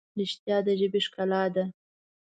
رښتیا د ژبې ښکلا ده.